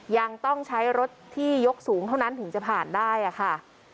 ยังต้องใช้รถที่ยกสูงเท่านั้นถึงจะผ่านได้ค่ะ